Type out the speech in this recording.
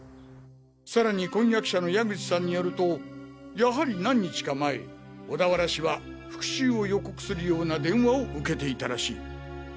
さらに婚約者の矢口さんによるとやはり何日か前小田原氏は復讐を予告するような電話を受けていたらしい。